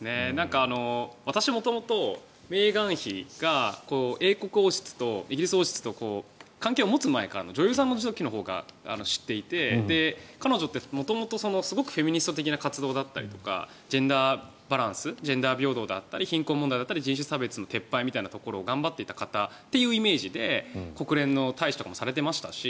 私、元々メーガン妃が英国王室とイギリス王室と関係を持つ前から女優さんの時から知っていて彼女って元々すごくフェミニスト的な活動だったりジェンダーバランスジェンダー平等だったり貧困問題だったり人種差別の撤廃なんかを頑張っていた方というイメージで国連の大使もされていましたし